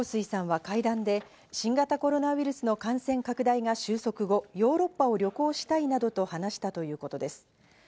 ホウ・スイさんは会談で新型コロナウイルスの感染拡大が収束後、ヨーロッパを旅行したいなどと話したということです。